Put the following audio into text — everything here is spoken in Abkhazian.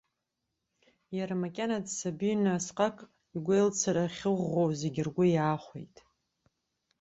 Иара макьана дсабины, асҟак игәеилцара ахьыӷәӷәоу зегь ргәы иаахәеит.